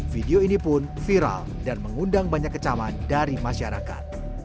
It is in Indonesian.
video ini pun viral dan mengundang banyak kecaman dari masyarakat